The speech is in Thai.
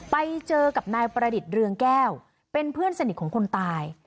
ไปเจอกับนายประดิษฐ์เรืองแก้วเป็นเพื่อนสนิทของคนตาย